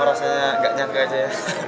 saya rasanya tidak menyangka saja